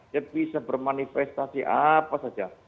dia bisa bermanifestasi apa saja